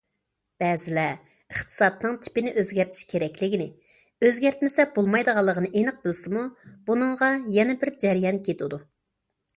بەزىلەر ئىقتىسادنىڭ تىپىنى ئۆزگەرتىش كېرەكلىكىنى، ئۆزگەرتمىسە بولمايدىغانلىقىنى ئېنىق بىلسىمۇ، بۇنىڭغا يەنە بىر جەريان كېتىدۇ.